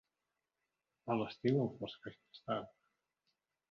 A l'estiu enfosqueix més tard.